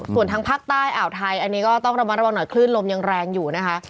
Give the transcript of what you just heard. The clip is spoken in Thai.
ส่วนทางภาคใต้อ่าวไทยอันนี้ก็ต้องระมัดระวังหน่อยคลื่นลมยังแรงอยู่นะคะ